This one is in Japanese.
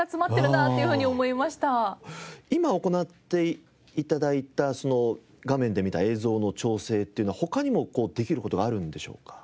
今行って頂いた画面で見た映像の調整っていうのは他にもできる事があるんでしょうか？